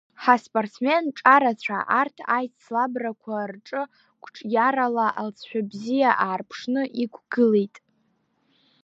Ҳаспортсмен ҿарацәа арҭ аицлабрақәа рҿы қәҿиарала, алҵшәа бзиа аарԥшны иқәгылеит.